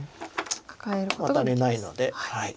ワタれないので。